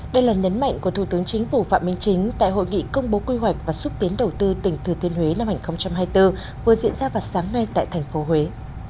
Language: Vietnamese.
đây là nhấn mạnh của thủ tướng chính phủ phạm minh chính tại hội nghị công bố quy hoạch và xúc tiến đầu tư tỉnh thừa thiên huế năm hai nghìn hai mươi bốn vừa diễn ra vào sáng nay tại thành phố huế